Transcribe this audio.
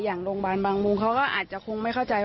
โรงพยาบาลบางมุมเขาก็อาจจะคงไม่เข้าใจ